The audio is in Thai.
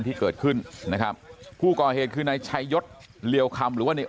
ที่เกิดขึ้นนะครับผู้ก่อเหตุคือนายชัยยศเลียวคำหรือว่าใน